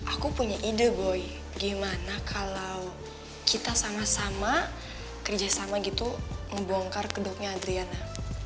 aku punya ide boy gimana kalau kita sama sama kerjasama gitu ngebongkar kedoknya adriana